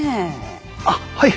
あっはい。